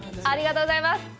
ありがとうございます。